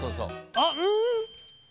あっうん！